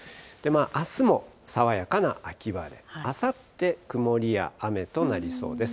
あすも爽やかな秋晴れ、あさって曇りや雨となりそうです。